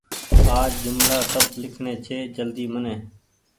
آج جملآ سب لکڻي ڇي جلدي مين ۔